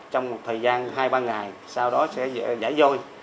trong một thời gian hai ba ngày sau đó sẽ giải vôi